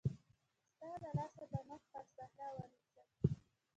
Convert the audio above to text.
ستا له لاسه به مخ پر صحرا ونيسم.